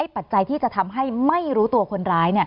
ปัจจัยที่จะทำให้ไม่รู้ตัวคนร้าย